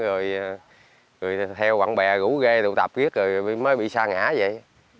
rồi theo bạn bè gũ ghê tụ tạp ghét rồi mới bị xa ngã vậy